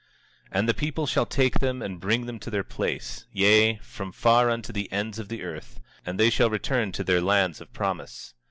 24:2 And the people shall take them and bring them to their place; yea, from far unto the ends of the earth; and they shall return to their lands of promise.